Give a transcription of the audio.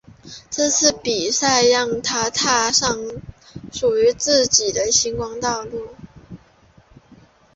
这次比赛让她踏上属于自己的星光道路。